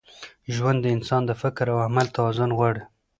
ژوند د انسان د فکر او عمل توازن غواړي.